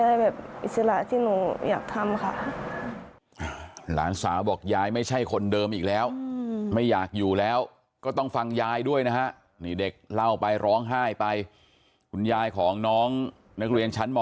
นี่ผู้สื่อข่าวของเราไปคุยด้วย